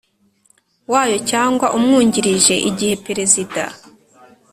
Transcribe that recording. wayo cyangwa umwungirije igihe Perezida